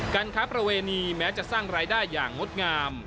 การค้าประเวณีแม้จะสร้างรายได้อย่างงดงาม